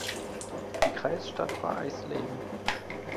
Die Kreisstadt war Eisleben.